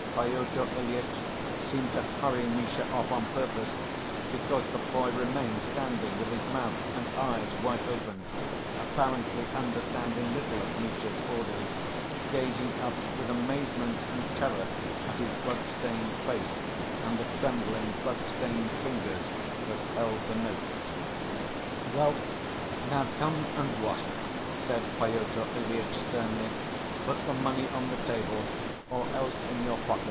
Pyotr Ilyitch seemed to hurry Misha off on purpose, because the boy remained standing with his mouth and eyes wide open, apparently understanding little of Mitya's orders, gazing up with amazement and terror at his blood‐stained face and the trembling bloodstained fingers that held the notes. "Well, now come and wash," said Pyotr Ilyitch sternly. "Put the money on the table or else in your pocket....